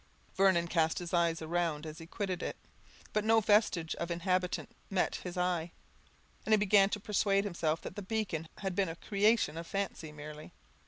Vernon cast his eves round as he quitted it, but no vestige of an inhabitant met his eye, and he began to persuade himself that the beacon had been a creation of fancy merely.